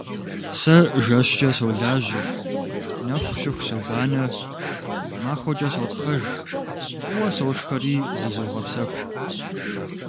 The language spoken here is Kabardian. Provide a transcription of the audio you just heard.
Сэ жэщкӀэ солажьэ, нэху щыху собанэ, махуэкӀэ сотхъэж, фӀыуэ сошхэри зызогъэпсэху.